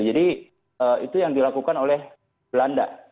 jadi itu yang dilakukan oleh belanda